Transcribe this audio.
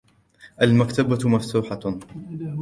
المكتبة مفتوحة.